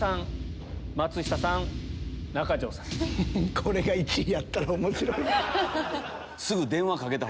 これが１位やったら面白い。